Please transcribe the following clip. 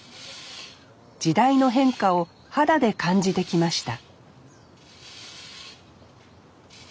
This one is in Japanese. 時代の変化を肌で感じてきました